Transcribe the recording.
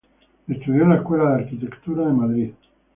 Estudió en la Escuela de Arquitectura de Madrid.